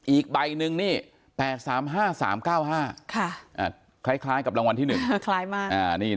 อีกใบหนึ่งนี่๘๓๕๓๙๕คล้ายกับรางวัลที่๑คล้ายมาก